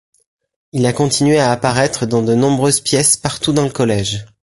Il a continué à apparaître dans de nombreuses pièces partout dans le collège.